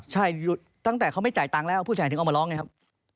ใช่ตั้งแต่เขาไม่จ่ายตังค์แล้วผู้ชายถึงเอามาร้องไงครับ